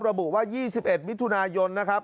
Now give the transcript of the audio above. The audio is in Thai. ระบุว่า๒๑มิถุนายนนะครับ